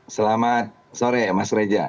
selamat sore mas reja